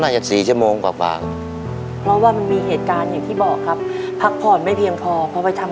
น่าจะ๔ชั่วโมงค่ะ